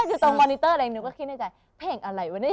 อยู่ตรงมอนิเตอร์อะไรหนูก็คิดในใจเพลงอะไรวะเนี่ย